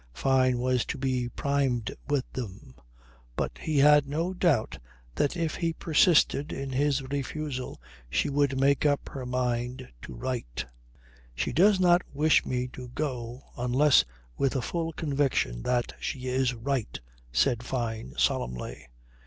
Fyne was to be primed with them. But he had no doubt that if he persisted in his refusal she would make up her mind to write. "She does not wish me to go unless with a full conviction that she is right," said Fyne solemnly.